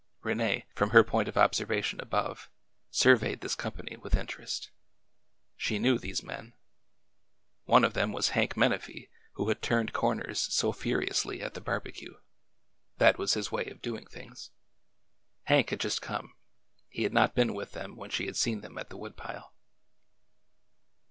Rene, from her point of observation above, surveyed this company with interest. She knew these men. One of them was Hank Menafee, who had turned comers so furiously at the barbecue —that was his way of doing 228 ORDER NO. 11 things. Hank had just come,— he had not been with them when she had seen them at the wood pile.